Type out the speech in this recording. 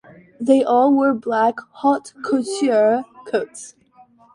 They all wore black "haute couture" coats.